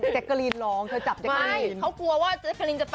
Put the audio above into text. เจ็กเกอรินร้องเธอจับเจ็กเกอริน